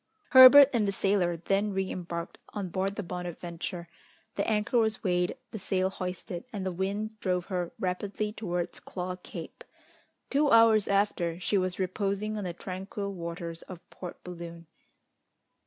Herbert and the sailor then re embarked on board the Bonadventure, the anchor was weighed, the sail hoisted, and the wind drove her rapidly towards Claw Cape. Two hours after, she was reposing on the tranquil waters of Port Balloon.